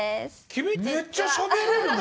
君めっちゃしゃべれるね。